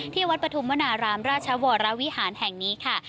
ที่วัดปฐุมวนารามราชวรวิหารแห่งนี้ค่ะ